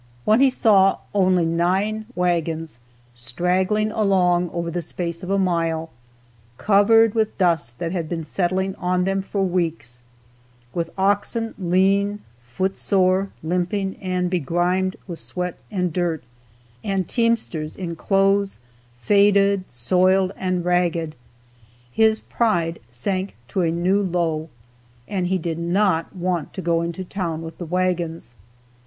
When he saw only nine wagons straggling along over the space of a mile, covered with dust that had been settling on them for weeks, with oxen lean, footsore, limping and begrimed with sweat and dirt, and teamsters in clothes faded, soiled and ragged, his pride sank to a low level, and he did not want to go into town with the wagons.